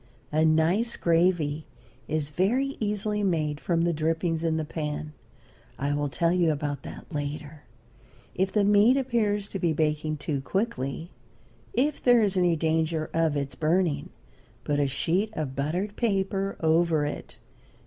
A nice gravy is very easily made from the drippings in the pan. I will tell you about that later. If the meat appears to be baking too quickly, if there is any danger of its burning, put a sheet of buttered paper over it.